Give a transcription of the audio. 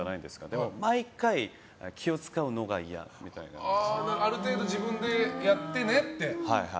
でも、毎回気を使うのがある程度、自分でやってねって。